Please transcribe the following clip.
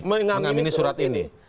mengamini surat ini